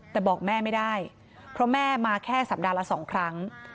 แต่บอกแม่ไม่ได้เพราะแม่มาแค่สัปดาห์ละ๒ครั้ง